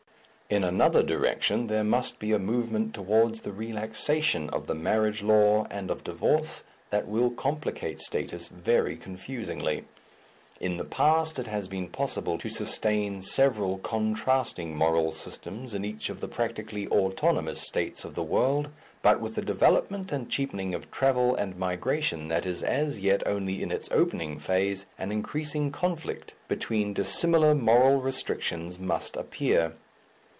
In another direction there must be a movement towards the relaxation of the marriage law and of divorce that will complicate status very confusingly. In the past it has been possible to sustain several contrasting moral systems in each of the practically autonomous states of the world, but with a development and cheapening of travel and migration that is as yet only in its opening phase, an increasing conflict between dissimilar moral restrictions must appear.